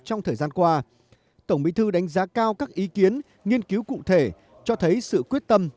trong thời gian qua tổng bí thư đánh giá cao các ý kiến nghiên cứu cụ thể cho thấy sự quyết tâm